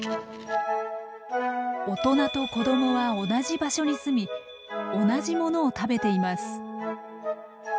大人と子供は同じ場所にすみ同じものを食べています。